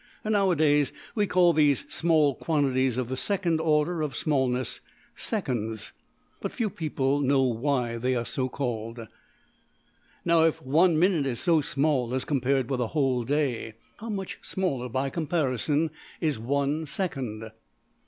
Nowadays we call these small quantities \DPPageSep{016.png}% of the second order of smallness ``seconds.'' But few people know \emph{why} they are so called. Now if one minute is so small as compared with a whole day, how much smaller by comparison is one second!